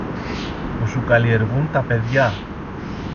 που σου καλλιεργούν τα παιδιά.